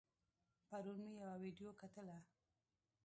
پرون مې يوه ويډيو کتله